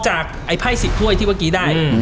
จากไอ้ไภสิดท่วยที่เมื่อกี้ได้